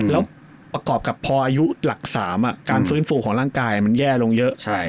แล้วประกอบกับพออายุหลัก๓การฟื้นฟูของร่างกายมันแย่ลงเยอะ